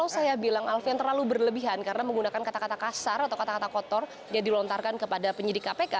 saya bilang alfian terlalu berlebihan karena menggunakan kata kata kasar atau kata kata kotor yang dilontarkan kepada penyidik kpk